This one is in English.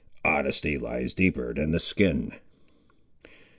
"Honesty lies deeper than the skin."